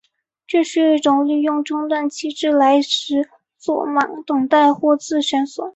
这是一种利用中断机制来实作忙等待或自旋锁。